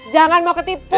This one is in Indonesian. jangan mau ketipu